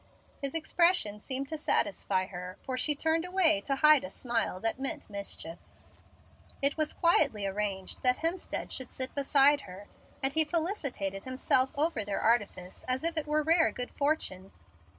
His expression seemed to satisfy her, for she turned away to hide a smile that meant mischief. It was quietly arranged that Hemstead should sit beside her, and he felicitated himself over their artifice as if it were rare good fortune.